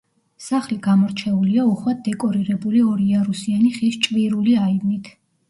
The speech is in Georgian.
სახლი გამორჩეულია უხვად დეკორირებული ორიარუსიანი ხის ჭვირული აივნით.